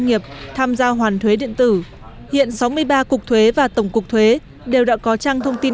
nghiệp tham gia hoàn thuế điện tử hiện sáu mươi ba cục thuế và tổng cục thuế đều đã có trang thông tin